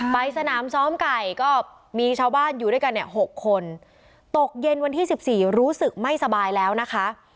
ไปสนามซ้อมไก่ก็มีชาวบ้านอยู่ด้วยกันเนี่ยหกคนตกเย็นวันที่สิบสี่รู้สึกไม่สบายแล้วนะคะ